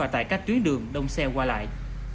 tuyến đường đông xe qua lại